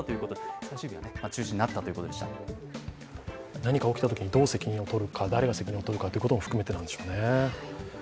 何か起きたときにどう責任を取るか、誰が責任を取るかということも含めてでしょうね。